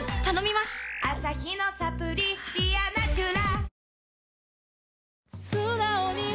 アサヒのサプリ「ディアナチュラ」